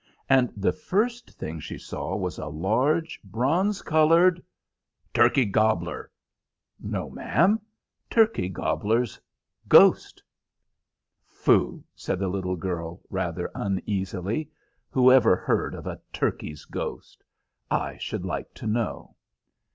And the first thing she saw was a large, bronze colored "Turkey gobbler!" "No, ma'am. Turkey gobbler's ghost." "Foo!" said the little girl, rather uneasily; "whoever heard of a turkey's ghost, I should like to know?"